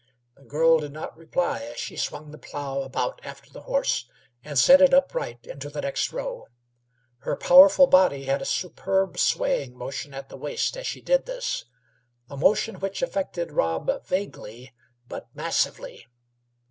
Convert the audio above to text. The girl did not reply till she swung the plough about after the horse, and set it upright into the next row. Her powerful body had a superb swaying motion at the waist as she did this a motion which affected Rob vaguely but massively.